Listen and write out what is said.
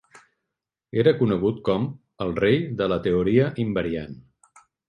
Era conegut com "el rei de la teoria invariant".